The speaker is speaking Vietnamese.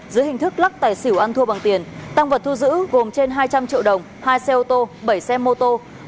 dưới hình thức lắc tài xỉu ăn thua bằng tiền tăng vật thu giữ gồm trên hai trăm linh triệu đồng hai xe ô tô bảy xe mô tô